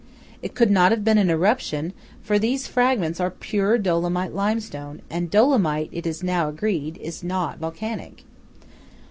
It could not have been an eruption; for these fragments are pure Dolomite limestone, and Dolomite, it is now agreed, is not volcanic.